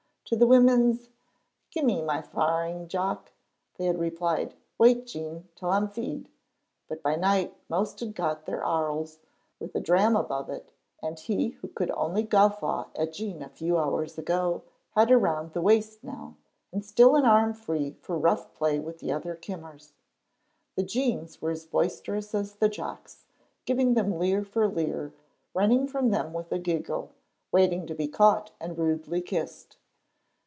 To the women's "Gie me my faring, Jock," they had replied, "Wait, Jean, till I'm fee'd," but by night most had got their arles, with a dram above it, and he who could only guffaw at Jean a few hours ago had her round the waist now, and still an arm free for rough play with other kimmers. The Jeans were as boisterous as the Jocks, giving them leer for leer, running from them with a giggle, waiting to be caught and rudely kissed.